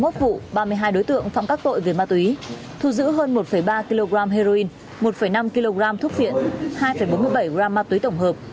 thu giữ hơn một ba kg heroin một năm kg thuốc phiện hai bốn mươi bảy gram ma túy tổng hợp